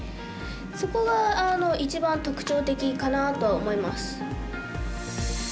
そこが一番特徴的かなと思います。